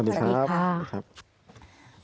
สวัสดีครับ